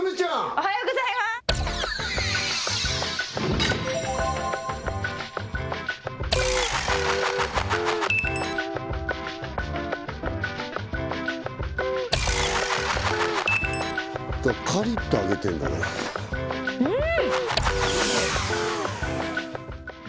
おはようございますカリッと揚げてんだけどうん！